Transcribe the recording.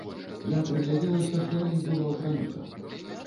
Я прыглядзелася, што на іх было апранута.